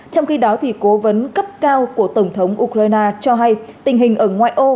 trong khi đó cố vấn cấp cao của tổng thống ukraine cho hay tình hình ở ngoại ô